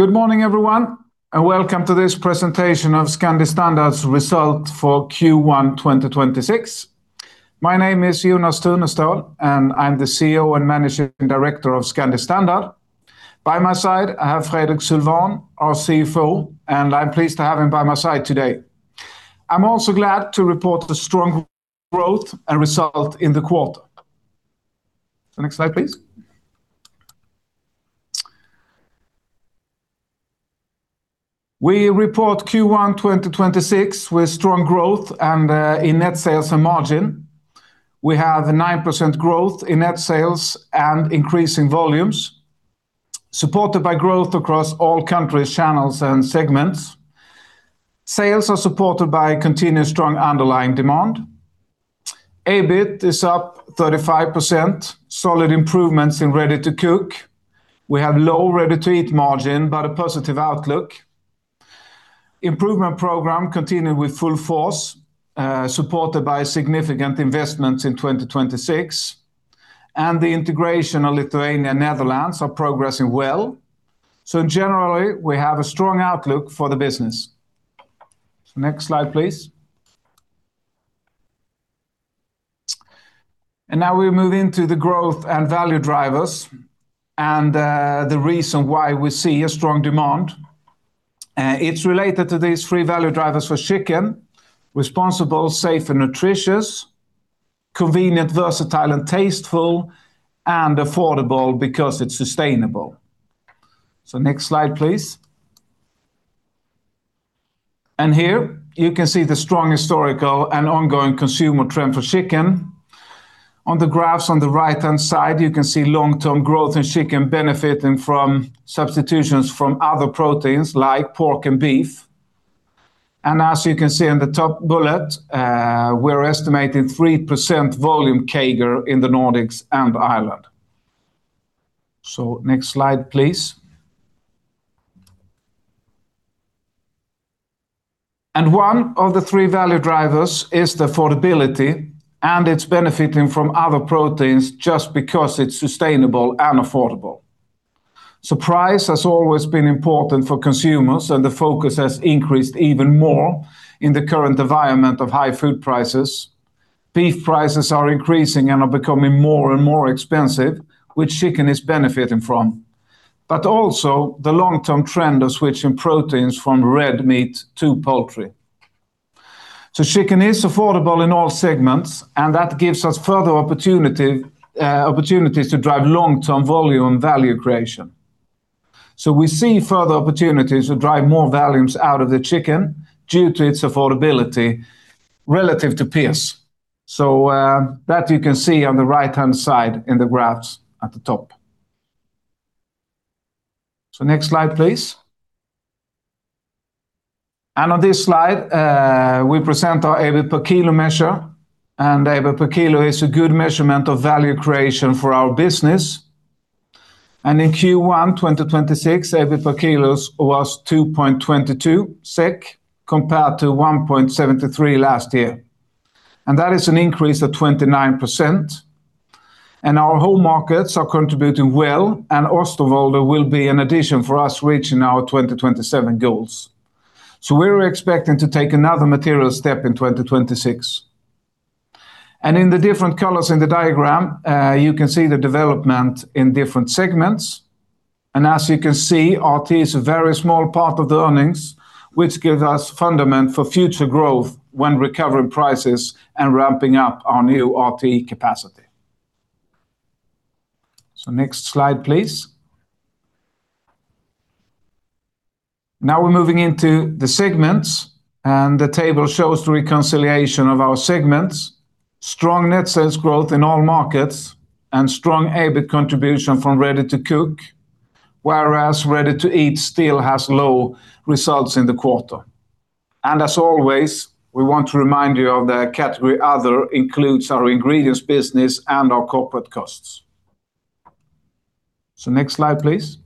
Good morning, everyone, and welcome to this presentation of Scandi Standard's result for Q1 2026. My name is Jonas Tunestål, and I'm the CEO and Managing Director of Scandi Standard. By my side, I have Fredrik Sylwan, our CFO, and I'm pleased to have him by my side today. I'm also glad to report the strong growth and result in the quarter. The next slide, please. We report Q1 2026 with strong growth and in net sales and margin. We have 9% growth in net sales and increasing volumes, supported by growth across all countries, channels, and segments. Sales are supported by continuous strong underlying demand. EBIT is up 35%, solid improvements in Ready-to-Cook. We have low Ready-to-Eat margin but a positive outlook. Improvement program continued with full force, supported by significant investments in 2026, and the integration of Lithuania and Netherlands are progressing well. In general, we have a strong outlook for the business. Next slide, please. Now we move into the growth and value drivers and, the reason why we see a strong demand. It's related to these three value drivers for chicken: responsible, safe, and nutritious; convenient, versatile, and tasteful; and affordable because it's sustainable. Next slide, please. Here you can see the strong historical and ongoing consumer trend for chicken. On the graphs on the right-hand side, you can see long-term growth in chicken benefiting from substitutions from other proteins like pork and beef. As you can see in the top bullet, we're estimating 3% volume CAGR in the Nordics and Ireland. Next slide, please. One of the three value drivers is the affordability, and it's benefiting from other proteins just because it's sustainable and affordable. Price has always been important for consumers, and the focus has increased even more in the current environment of high food prices. Beef prices are increasing and are becoming more and more expensive, which chicken is benefiting from, but also the long-term trend of switching proteins from red meat to poultry. Chicken is affordable in all segments, and that gives us further opportunities to drive long-term volume value creation. We see further opportunities to drive more volumes out of the chicken due to its affordability relative to peers. That you can see on the right-hand side in the graphs at the top. Next slide, please. On this slide, we present our EBIT per kilo measure, and EBIT per kilo is a good measurement of value creation for our business. In Q1 2026, EBIT per kilos was 2.22 SEK compared to 1.73 last year. That is an increase of 29%. Our home markets are contributing well, and Oosterwolde will be an addition for us reaching our 2027 goals. We're expecting to take another material step in 2026. In the different colors in the diagram, you can see the development in different segments. As you can see, RTE is a very small part of the earnings, which gives us fundament for future growth when recovering prices and ramping up our new RTE capacity. Next slide, please. Now we're moving into the segments, and the table shows the reconciliation of our segments. Strong net sales growth in all markets and strong EBIT contribution from Ready-to-Cook, whereas Ready-to-Eat still has low results in the quarter. As always, we want to remind you of the category other includes our ingredients business and our corporate costs. Next slide, please.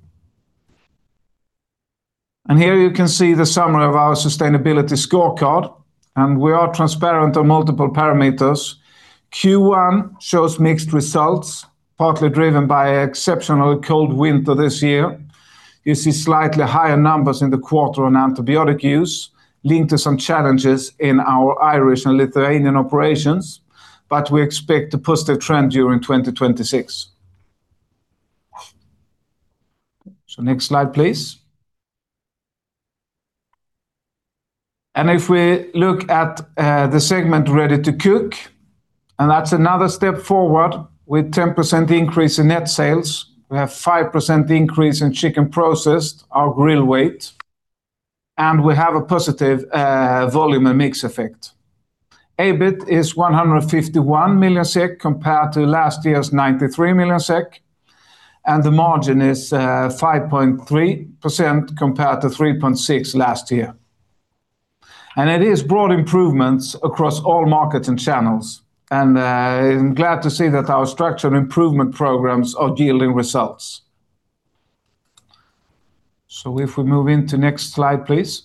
Here you can see the summary of our sustainability scorecard, and we are transparent on multiple parameters. Q1 shows mixed results, partly driven by exceptional cold winter this year. You see slightly higher numbers in the quarter on antibiotic use, linked to some challenges in our Irish and Lithuanian operations, but we expect a positive trend during 2026. Next slide, please. If we look at the segment Ready-to-Cook, and that's another step forward with 10% increase in net sales. We have 5% increase in chicken processed, our grill weight, and we have a positive volume and mix effect. EBIT is 151 million SEK compared to last year's 93 million SEK, and the margin is 5.3% compared to 3.6% last year. It is broad improvements across all markets and channels, and I'm glad to see that our structure and improvement programs are yielding results. If we move into next slide, please.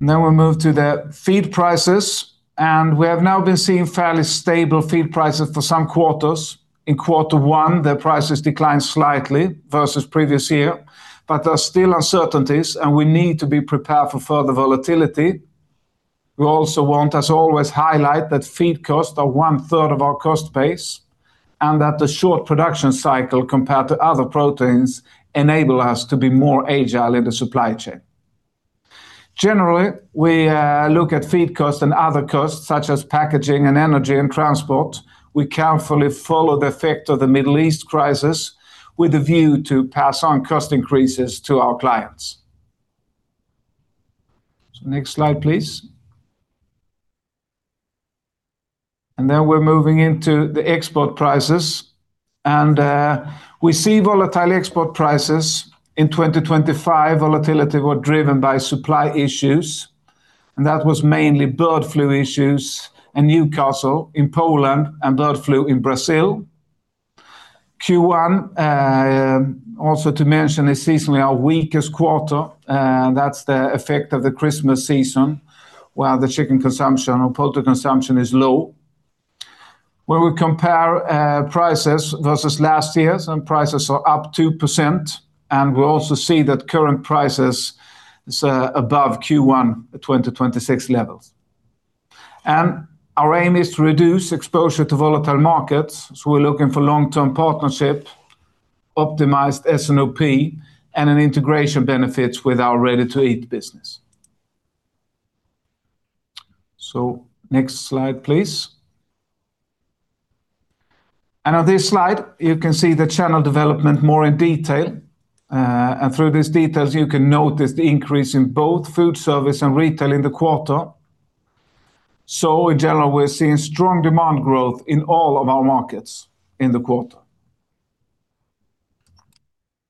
We'll move to the feed prices, and we have now been seeing fairly stable feed prices for some quarters. In quarter one, the prices declined slightly versus previous year, but there are still uncertainties, and we need to be prepared for further volatility. We also want, as always, to highlight that feed costs are 1/3 of our cost base and that the short production cycle compared to other proteins enable us to be more agile in the supply chain. Generally, we look at feed costs and other costs, such as packaging and energy and transport. We carefully follow the effect of the Middle East crisis with a view to pass on cost increases to our clients. Next slide, please. Then we're moving into the export prices, and we see volatile export prices. In 2025, volatility were driven by supply issues, and that was mainly bird flu issues, Newcastle in Poland, and bird flu in Brazil. Q1 also to mention is seasonally our weakest quarter. That's the effect of the Christmas season, while the chicken consumption or poultry consumption is low. When we compare prices versus last year's, and prices are up 2%, and we also see that current prices is above Q1 2026 levels. Our aim is to reduce exposure to volatile markets, so we're looking for long-term partnership, optimized S&OP, and an integration benefits with our Ready-to-Eat business. Next slide, please. On this slide, you can see the channel development more in detail. Through these details, you can notice the increase in both food service and retail in the quarter. In general, we're seeing strong demand growth in all of our markets in the quarter.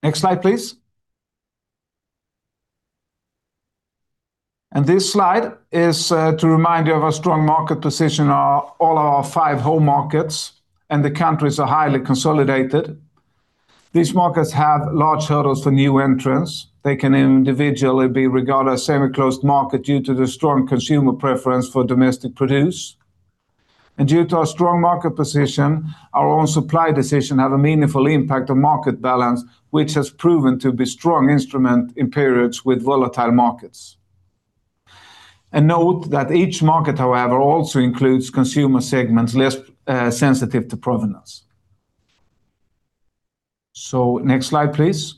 Next slide, please. This slide is to remind you of our strong market position of all our five home markets, and the countries are highly consolidated. These markets have large hurdles for new entrants. They can individually be regarded as semi-closed market due to the strong consumer preference for domestic produce. Due to our strong market position, our own supply decision have a meaningful impact on market balance, which has proven to be strong instrument in periods with volatile markets. Note that each market, however, also includes consumer segments less sensitive to provenance. Next slide, please.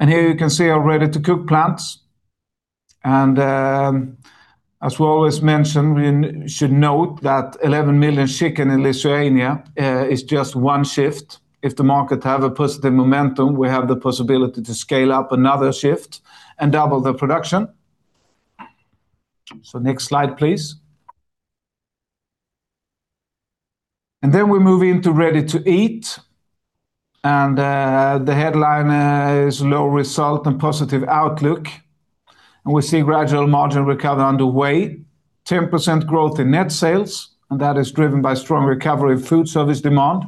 Here you can see our Ready-to-Cook plants. As we always mention, we should note that 11 million chicken in Lithuania is just one shift. If the market have a positive momentum, we have the possibility to scale up another shift and double the production. Next slide, please. We move into Ready-to-Eat, and the headline is low result and positive outlook. We see gradual margin recovery underway. 10% growth in net sales, and that is driven by strong recovery in food service demand.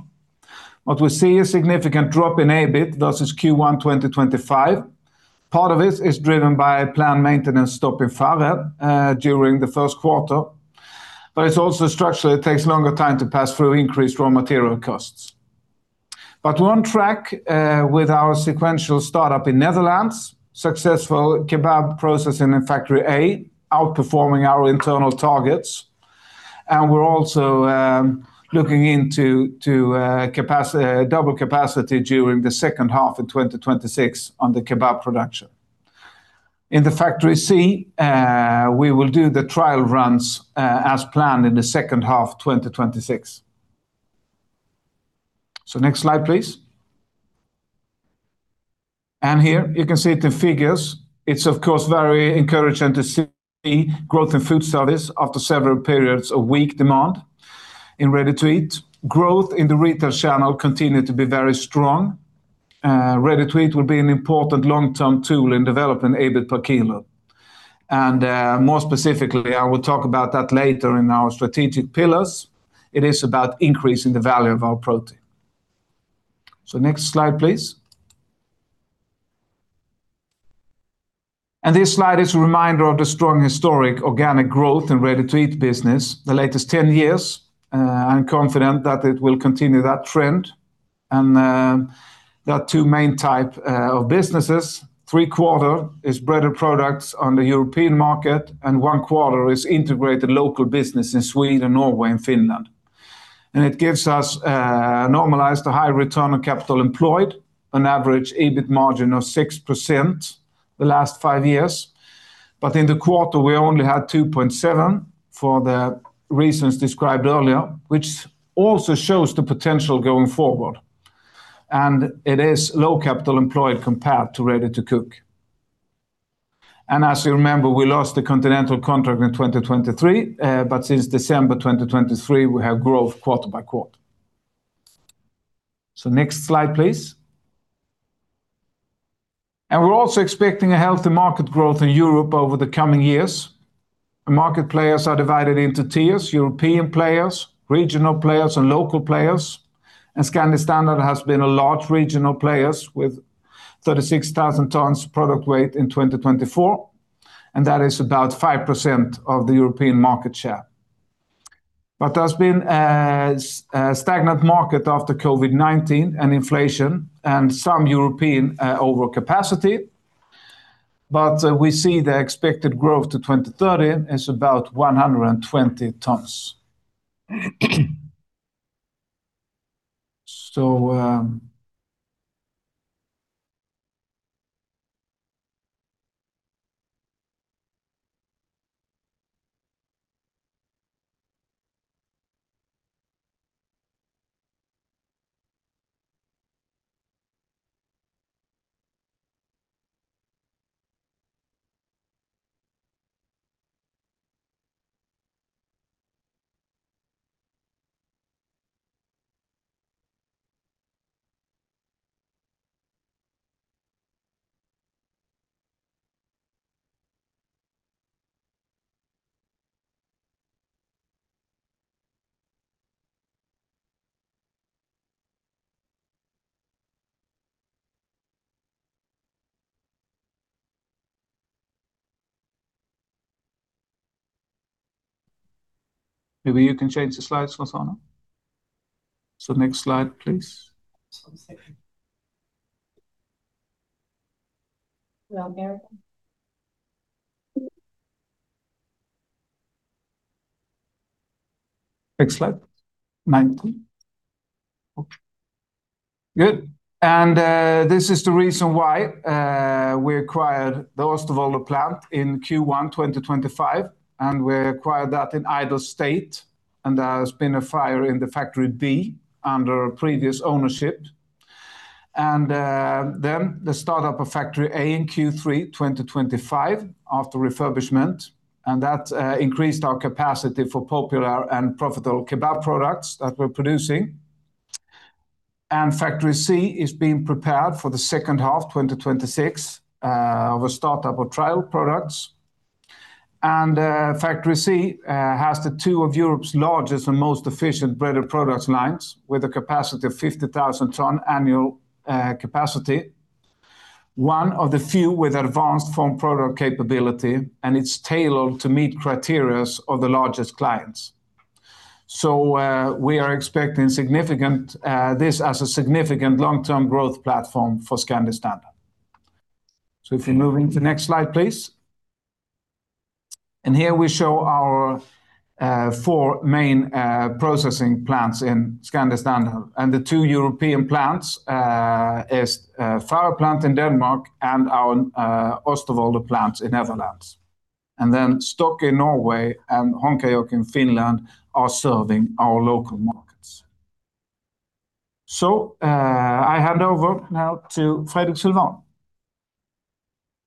What we see is a significant drop in EBIT versus Q1 2025. Part of it is driven by a planned maintenance stop in Farre during the first quarter. It's also structural. It takes longer time to pass through increased raw material costs. We're on track with our sequential start-up in Netherlands, successful kebab processing in factory A, outperforming our internal targets. We're also looking into double capacity during the second half of 2026 on the kebab production. In the factory C, we will do the trial runs as planned in the second half 2026. Next slide, please. Here you can see the figures. It's of course very encouraging to see growth in food service after several periods of weak demand in Ready-to-Eat. Growth in the retail channel continued to be very strong. Ready-to-Eat will be an important long-term tool in developing EBIT per kilo. More specifically, I will talk about that later in our strategic pillars. It is about increasing the value of our protein. Next slide, please. This slide is a reminder of the strong historic organic growth in Ready-to-Eat business the latest 10 years. I'm confident that it will continue that trend. There are two main types of businesses. Three-quarters is breaded products on the European market, and 1/4 is integrated local business in Sweden, Norway, and Finland. It gives us, normalized, a high return on capital employed, an average EBIT margin of 6% the last five years. In the quarter, we only had 2.7% for the reasons described earlier, which also shows the potential going forward. It is low capital employed compared to Ready-to-Cook. As you remember, we lost the continental contract in 2023, but since December 2023, we have growth quarter by quarter. Next slide, please. We're also expecting a healthy market growth in Europe over the coming years. Market players are divided into tiers, European players, regional players, and local players. Scandi Standard has been a large regional player with 36,000 tons product weight in 2024, and that is about 5% of the European market share. There's been a stagnant market after COVID-19 and inflation and some European overcapacity. We see the expected growth to 2030 is about 120 tons. Maybe you can change the slides for us Anna? Next slide, please. Just one second. Well, there. Next slide. 19. Good. This is the reason why we acquired the Oosterwolde plant in Q1 2025, and we acquired that in idle state, and there has been a fire in factory B under previous ownership. The start-up of factory A in Q3 2025 after refurbishment, and that increased our capacity for popular and profitable kebab products that we're producing. Factory C is being prepared for the second half 2026 of a start-up of trial products. Factory C has two of Europe's largest and most efficient breaded products lines with a capacity of 50,000 ton annual capacity. One of the few with advanced form product capability, and it's tailored to meet criteria of the largest clients. We are expecting this as a significant long-term growth platform for Scandi Standard. If you move into next slide, please. Here we show our four main processing plants in Scandi Standard, and the two European plants is Farre plant in Denmark and our Oosterwolde plant in Netherlands. Stokka in Norway and Honkajoki in Finland are serving our local markets. I hand over now to Fredrik Sylwan.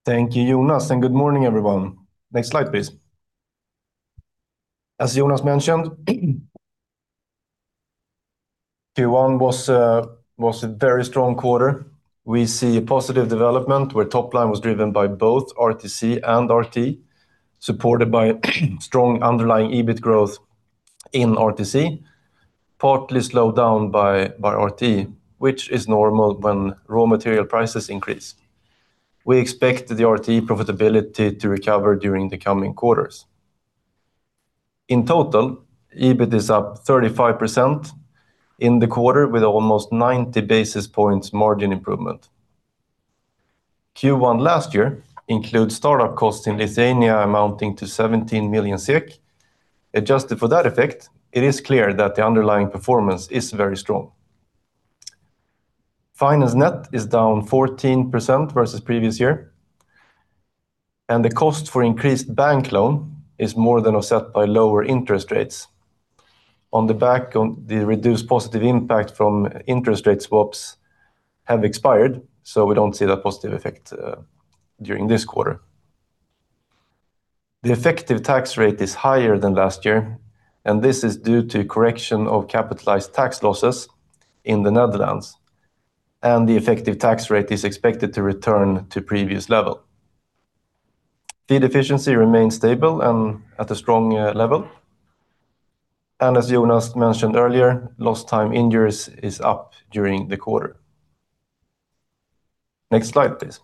Thank you, Jonas, and good morning, everyone. Next slide, please. As Jonas mentioned, Q1 was a very strong quarter. We see a positive development where top line was driven by both RTC and RTE, supported by strong underlying EBIT growth in RTC, partly slowed down by RTE, which is normal when raw material prices increase. We expect the RTE profitability to recover during the coming quarters. In total, EBIT is up 35% in the quarter with almost 90 basis points margin improvement. Q1 last year includes start-up costs in Lithuania amounting to 17 million SEK. Adjusted for that effect, it is clear that the underlying performance is very strong. Finance net is down 14% versus previous year, and the cost for increased bank loan is more than offset by lower interest rates. On the back of the reduced positive impact from interest rate swaps have expired, so we don't see that positive effect during this quarter. The effective tax rate is higher than last year, and this is due to correction of capitalized tax losses in the Netherlands, and the effective tax rate is expected to return to previous level. Feed efficiency remains stable and at a strong level. As Jonas mentioned earlier, lost time injuries is up during the quarter. Next slide, please.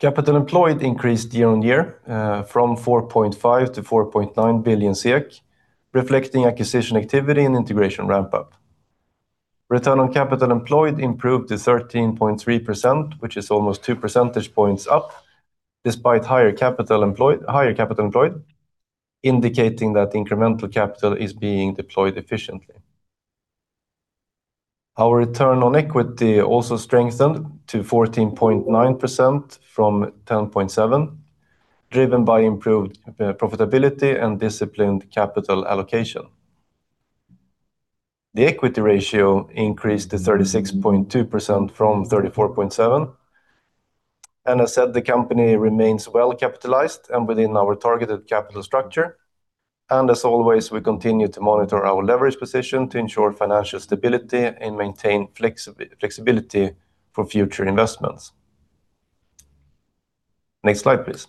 Capital employed increased year-on-year from 4.5 billion to 4.9 billion, reflecting acquisition activity and integration ramp up. Return on capital employed improved to 13.3%, which is almost 2 percentage points up despite higher capital employed, indicating that incremental capital is being deployed efficiently. Our return on equity also strengthened to 14.9% from 10.7%, driven by improved profitability and disciplined capital allocation. The equity ratio increased to 36.2% from 34.7%. As said, the company remains well-capitalized and within our targeted capital structure. As always, we continue to monitor our leverage position to ensure financial stability and maintain flexibility for future investments. Next slide, please.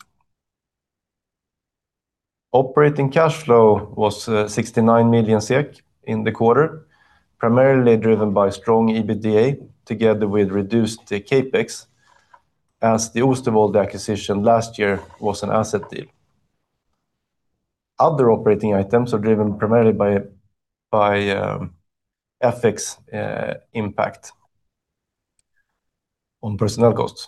Operating cash flow was 69 million SEK in the quarter, primarily driven by strong EBITDA together with reduced CapEx as the Oosterwolde acquisition last year was an asset deal. Other operating items are driven primarily by FX impact on personnel costs.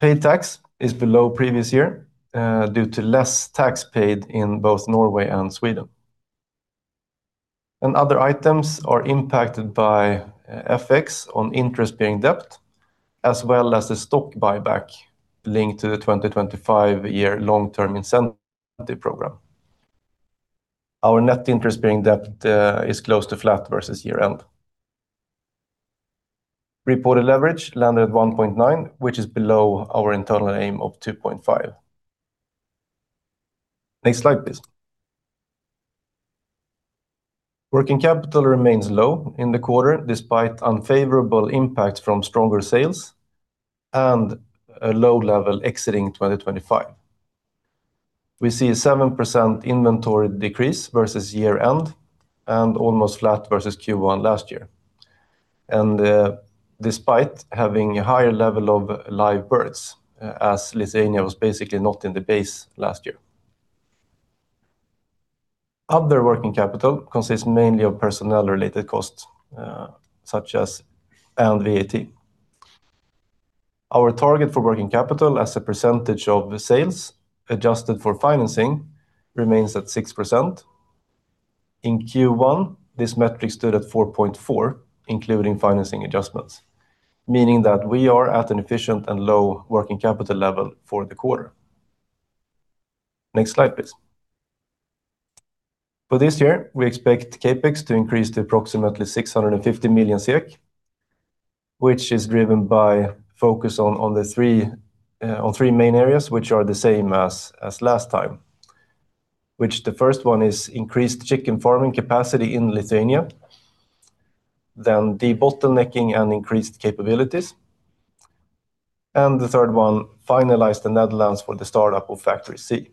Paid tax is below previous year due to less tax paid in both Norway and Sweden. Other items are impacted by FX on interest-bearing debt, as well as the stock buyback linked to the 2025-year long-term incentive program. Our net interest bearing debt is close to flat versus year-end. Reported leverage landed at 1.9, which is below our internal aim of 2.5. Next slide, please. Working capital remains low in the quarter, despite unfavorable impact from stronger sales and a low level exiting 2025. We see a 7% inventory decrease versus year-end and almost flat versus Q1 last year, despite having a higher level of live birds, as Lithuania was basically not in the base last year. Other working capital consists mainly of personnel related costs, such as VAT. Our target for working capital as a percentage of sales adjusted for financing remains at 6%. In Q1, this metric stood at 4.4%, including financing adjustments, meaning that we are at an efficient and low working capital level for the quarter. Next slide, please. For this year, we expect CapEx to increase to approximately 650 million, which is driven by focus on three main areas, which are the same as last time. The first one is increased chicken farming capacity in Lithuania, then debottlenecking and increased capabilities. The third one, finalize the Netherlands for the start-up of factory C.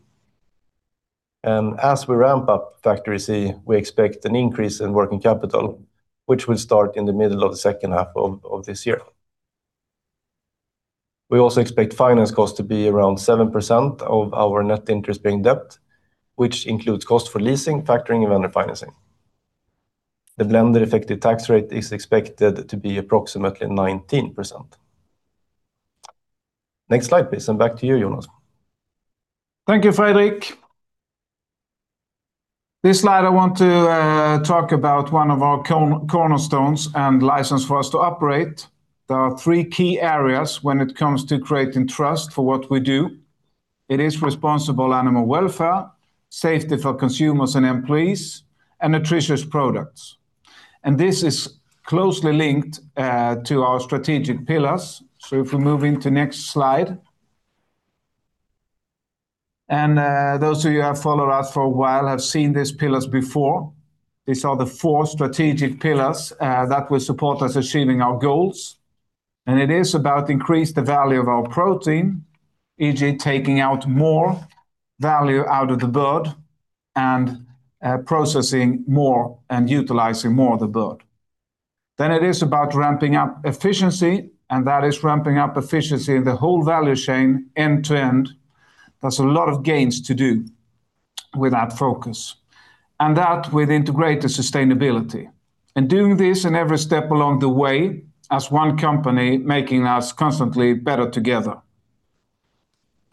As we ramp up factory C, we expect an increase in working capital, which will start in the middle of the second half of this year. We also expect finance costs to be around 7% of our net interest-bearing debt, which includes cost for leasing, factoring and refinancing. The blended effective tax rate is expected to be approximately 19%. Next slide, please, and back to you, Jonas. Thank you, Fredrik. This slide, I want to talk about one of our cornerstones and license for us to operate. There are three key areas when it comes to creating trust for what we do. It is responsible animal welfare, safety for consumers and employees, and nutritious products. This is closely linked to our strategic pillars. If we move into next slide. Those of you who have followed us for a while have seen these pillars before. These are the four strategic pillars that will support us achieving our goals. It is about increase the value of our protein, e.g. taking out more value out of the bird and processing more and utilizing more of the bird. It is about ramping up efficiency, and that is ramping up efficiency in the whole value chain end to end. There's a lot of gains to do with that focus, and that with integrated sustainability. Doing this in every step along the way as one company, making us constantly better together.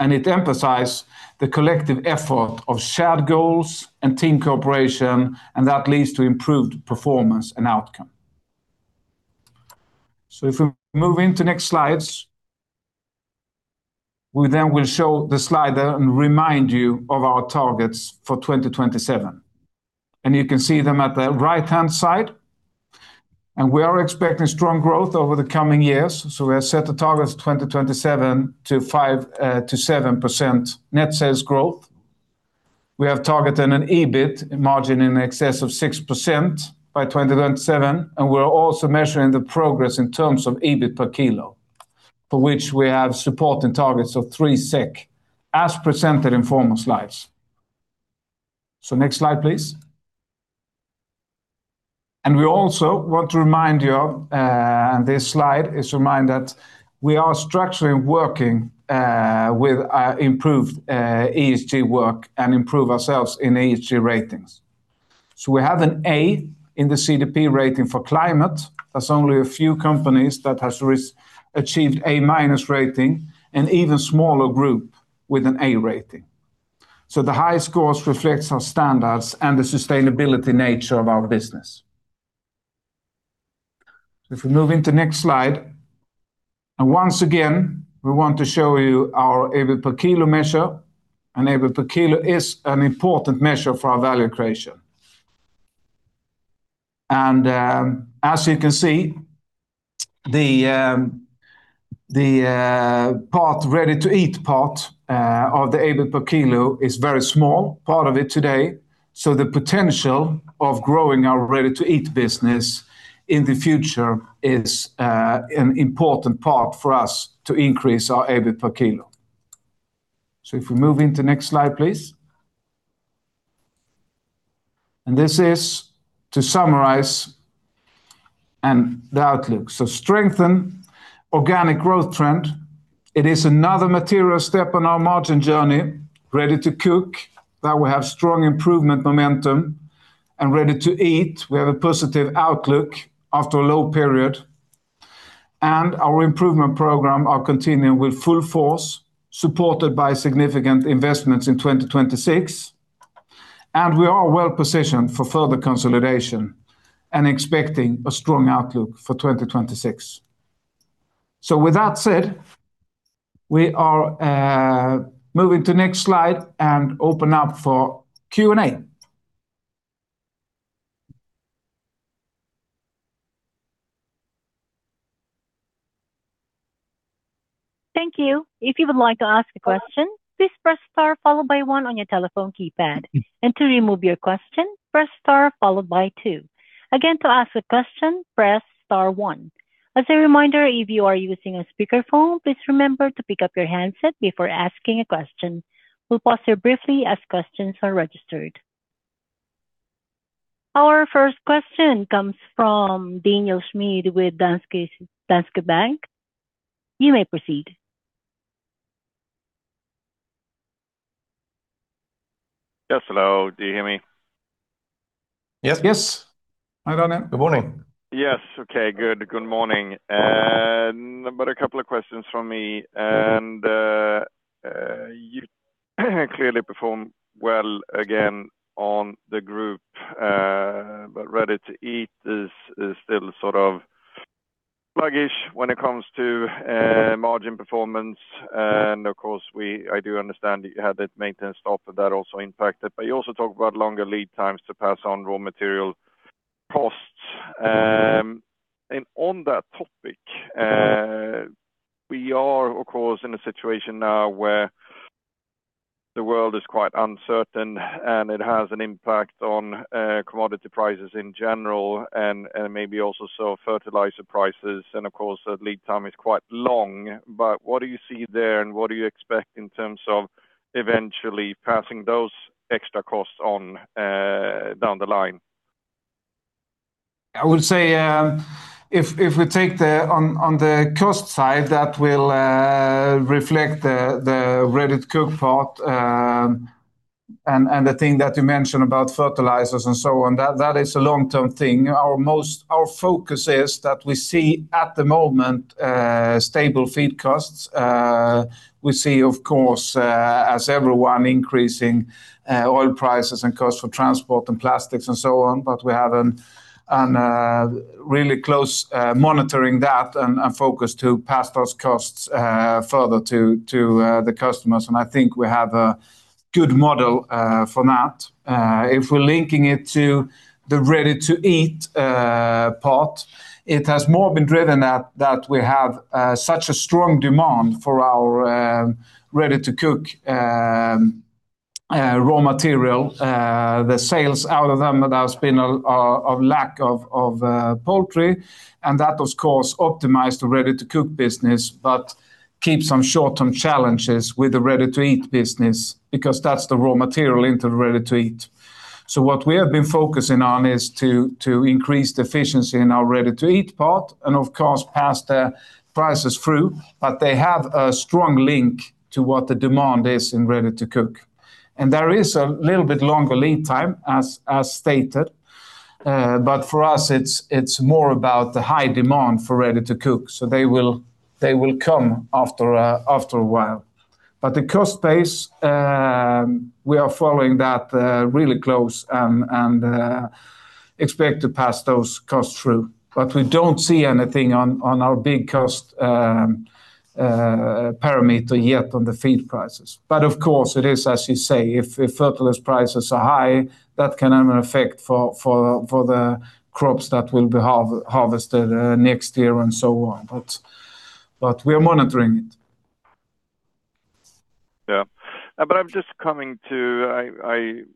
It emphasize the collective effort of shared goals and team cooperation, and that leads to improved performance and outcome. If we move into next slides, we then will show the slide there and remind you of our targets for 2027. You can see them at the right-hand side. We are expecting strong growth over the coming years. We have set the targets 2027 to 5%, to 7% net sales growth. We have targeted an EBIT margin in excess of 6% by 2027, and we're also measuring the progress in terms of EBIT per kilo, for which we have support and targets of 3 SEK, as presented in former slides. Next slide, please. We also want to remind you of, and this slide is to remind that we are structurally working with improved ESG work and improve ourselves in ESG ratings. We have an A in the CDP rating for climate. There's only a few companies that has achieved A- rating, an even smaller group with an A rating. The high scores reflects our standards and the sustainability nature of our business. If we move into next slide, once again, we want to show you our EBIT per kilo measure, and EBIT per kilo is an important measure for our value creation. As you can see, the Ready-to-Eat part of the EBIT per kilo is very small part of it today. The potential of growing our Ready-to-Eat business in the future is an important part for us to increase our EBIT per kilo. If we move into next slide, please. This is to summarize the outlook. Strengthen organic growth trend. It is another material step on our margin journey. Ready-to-Cook, we have strong improvement momentum. Ready-to-Eat, we have a positive outlook after a low period. Our improvement program are continuing with full force, supported by significant investments in 2026. We are well-positioned for further consolidation and expecting a strong outlook for 2026. With that said, we are moving to next slide and open up for Q&A. Thank you. If you would like to ask a question, please press star followed by one on your telephone keypad. To remove your question, press star followed by two. Again, to ask a question, press star one. As a reminder, if you are using a speakerphone, please remember to pick up your handset before asking a question. We'll pause here briefly as questions are registered. Our first question comes from Daniel Schmidt with Danske Bank. You may proceed. Yes, hello. Do you hear me? Yes. Hi, Daniel. Good morning. Yes, okay, good. Good morning. A couple of questions from me. You clearly perform well again on the group. Ready-to-Eat is still sort of sluggish when it comes to margin performance. Of course I do understand that you had that maintenance stop that also impacted. You also talk about longer lead times to pass on raw material costs. On that topic. We are of course in a situation now where the world is quite uncertain, and it has an impact on commodity prices in general and maybe also soaring fertilizer prices. Of course, the lead time is quite long. What do you see there, and what do you expect in terms of eventually passing those extra costs on down the line? I would say, if we take on the cost side, that will reflect the Ready-to-Cook part. The thing that you mentioned about fertilizers and so on, that is a long-term thing. Our focus is that we see at the moment stable feed costs. We see of course, as everyone increasing oil prices and costs for transport and plastics and so on, but we have a really close monitoring that and focus to pass those costs further to the customers. I think we have a good model for that. If we're linking it to the Ready-to-Eat part, it has more been driven by the fact that we have such a strong demand for our Ready-to-Cook raw material. The sales out of them, there's been a lack of poultry, and that of course optimized the Ready-to-Cook business, but keep some short-term challenges with the Ready-to-Eat business because that's the raw material into Ready-to-Eat. What we have been focusing on is to increase the efficiency in our Ready-to-Eat part and of course pass the prices through, but they have a strong link to what the demand is in Ready-to-Cook. There is a little bit longer lead time as stated. For us, it's more about the high demand for Ready-to-Cook, so they will come after a while. The cost base, we are following that really close and expect to pass those costs through. We don't see anything on our big cost parameter yet on the feed prices. Of course, it is, as you say, if fertilizer prices are high, that can have an effect for the crops that will be harvested next year and so on. We are monitoring it.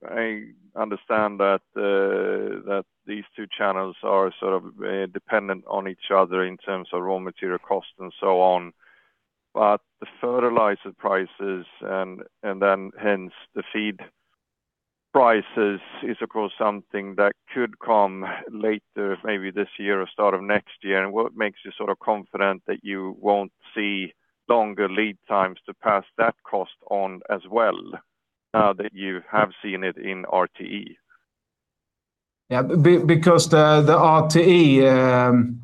I understand that these two channels are sort of dependent on each other in terms of raw material cost and so on. The fertilizer prices and then hence the feed prices is of course something that could come later, maybe this year or start of next year. What makes you sort of confident that you won't see longer lead times to pass that cost on as well, now that you have seen it in RTE? Yeah. Because the RTE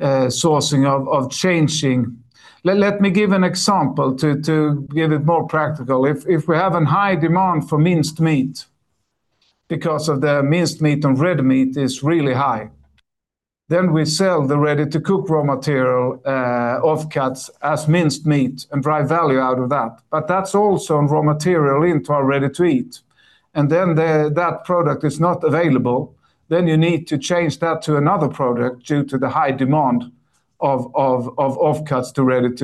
sourcing or changing. Let me give an example to give it more practical. If we have a high demand for minced meat because of the minced meat and red meat is really high. Then we sell the Ready-to-Cook raw material offcuts as minced meat and drive value out of that. That's also one raw material into our Ready-to-Eat. Then that product is not available. Then you need to change that to another product due to the high demand of offcuts to ready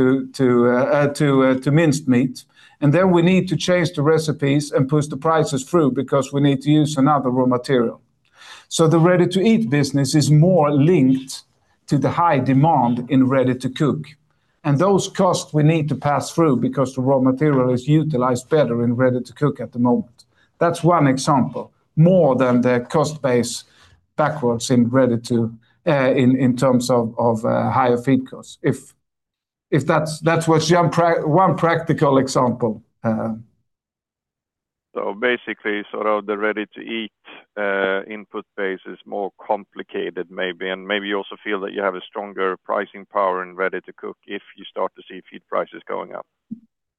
to minced meat. Then we need to change the recipes and push the prices through because we need to use another raw material. The Ready-to-Eat business is more linked to the high demand in Ready-to-Cook. Those costs we need to pass through because the raw material is utilized better in Ready-to-Cook at the moment. That's one example, more than the cost base back in Ready-to-, in terms of higher feed costs. If, that was one practical example. Basically, sort of the Ready-to-Eat input base is more complicated maybe, and maybe you also feel that you have a stronger pricing power in Ready-to-Cook if you start to see feed prices going up.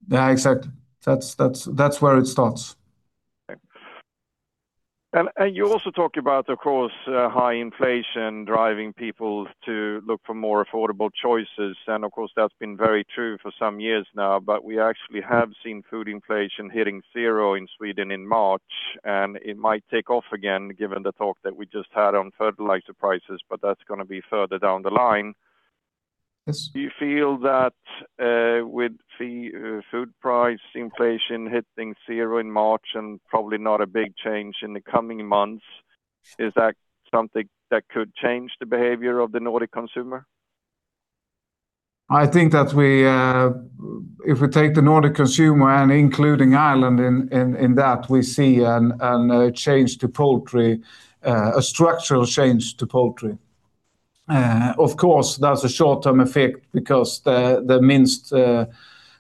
Yeah, exactly. That's where it starts. Okay. You also talk about, of course, high inflation driving people to look for more affordable choices. Of course, that's been very true for some years now, but we actually have seen food inflation hitting zero in Sweden in March, and it might take off again, given the talk that we just had on fertilizer prices, but that's gonna be further down the line. Yes. Do you feel that, with food price inflation hitting zero in March and probably not a big change in the coming months, is that something that could change the behavior of the Nordic consumer? I think that we if we take the Nordic consumer and including Ireland in that, we see a structural change to poultry. Of course, that's a short-term effect because the minced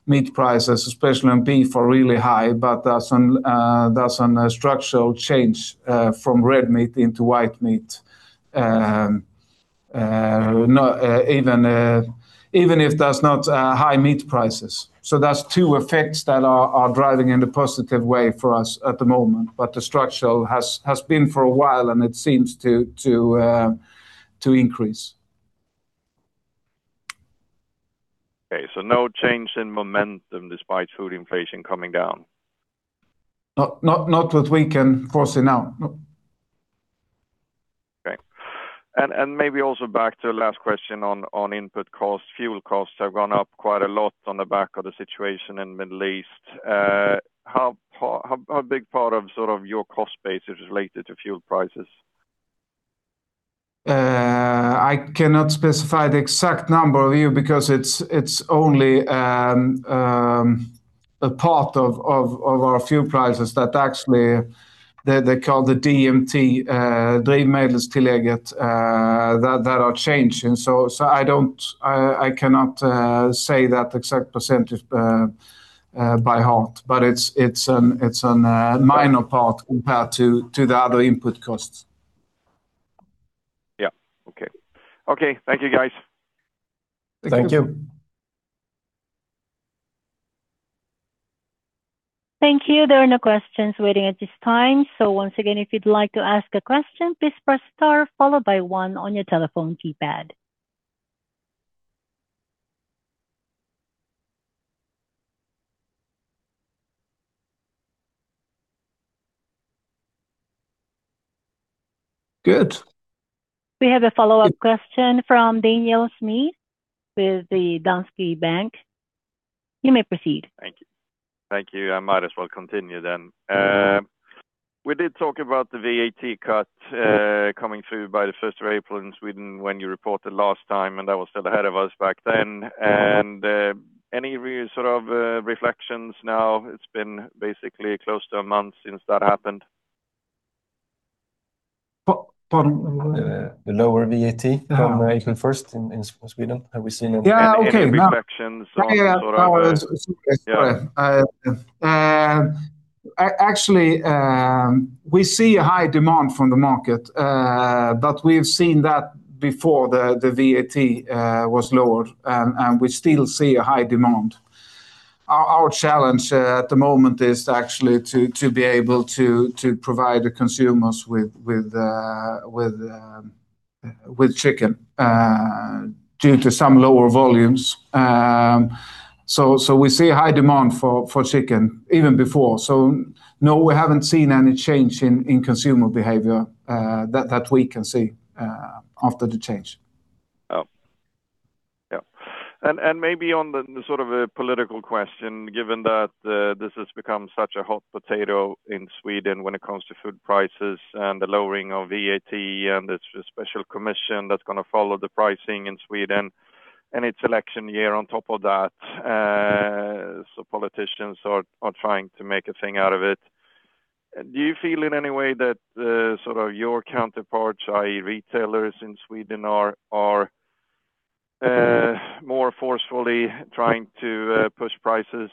meat prices, especially on beef, are really high, but there's some structural change from red meat into white meat. Even if there's not high meat prices, that's two effects that are driving in a positive way for us at the moment, but the structural has been for a while, and it seems to increase. Okay. No change in momentum despite food inflation coming down? Not that we can foresee now. No. Okay. Maybe also back to the last question on input costs. Fuel costs have gone up quite a lot on the back of the situation in Middle East. How big part of sort of your cost base is related to fuel prices? I cannot specify the exact number for you because it's only a part of our fuel prices that actually they call the DMT that are changing. I cannot say that exact percentage by heart, but it's a minor part compared to the other input costs. Yeah. Okay. Okay, thank you, guys. Thank you. Thank you. There are no questions waiting at this time. So once again, if you'd like to ask a question, please press star followed by one on your telephone keypad. Good. We have a follow-up question from Daniel Schmidt with the Danske Bank. You may proceed. Thank you. I might as well continue then. We did talk about the VAT cut coming through by the 1st of April in Sweden when you reported last time, and that was still ahead of us back then. Any sort of reflections now? It's been basically close to a month since that happened. Pardon? The lower VAT from April 1st in Sweden. Have you seen any- Yeah. Okay. Any reflections on sort of, Oh, yeah. Oh, sorry. Yeah. Actually, we see a high demand from the market, but we've seen that before the VAT was lowered, and we still see a high demand. Our challenge at the moment is actually to be able to provide the consumers with chicken due to some lower volumes. We see high demand for chicken even before. No, we haven't seen any change in consumer behavior that we can see after the change. Maybe on the sort of a political question, given that this has become such a hot potato in Sweden when it comes to food prices and the lowering of VAT and it's a special commission that's gonna follow the pricing in Sweden, and it's election year on top of that. Politicians are trying to make a thing out of it. Do you feel in any way that sort of your counterparts, i.e. retailers in Sweden are more forcefully trying to push prices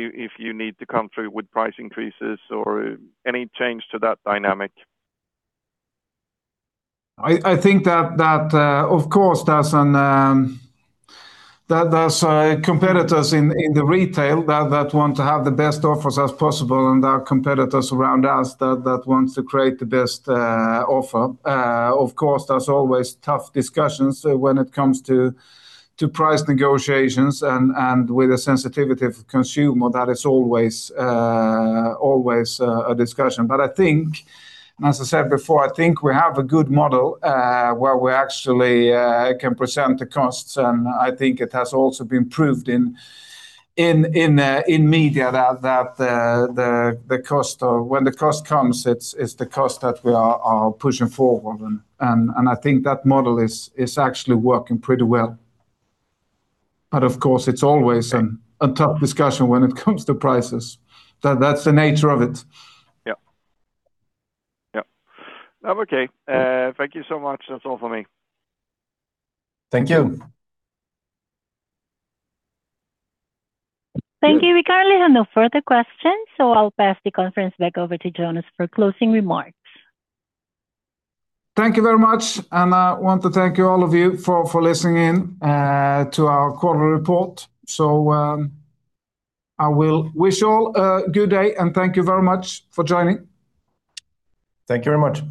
if you need to come through with price increases or any change to that dynamic? I think that of course there's competitors in the retail that want to have the best offers as possible, and there are competitors around us that wants to create the best offer. Of course there's always tough discussions when it comes to price negotiations and with the sensitivity of consumer that is always a discussion. I think and as I said before I think we have a good model where we actually can present the costs, and I think it has also been proved in media that when the cost comes it's the cost that we are pushing forward. I think that model is actually working pretty well. Of course, it's always a tough discussion when it comes to prices. That's the nature of it. Yeah. That's okay. Thank you so much. That's all for me. Thank you. Thank you. We currently have no further questions, so I'll pass the conference back over to Jonas for closing remarks. Thank you very much. I want to thank you all of you for listening in to our quarter report. I will wish you all a good day, and thank you very much for joining. Thank you very much.